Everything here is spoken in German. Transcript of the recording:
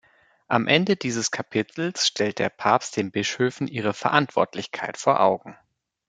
Am Ende dieses Kapitels stellt der Papst den Bischöfen ihre Verantwortlichkeit vor Augen.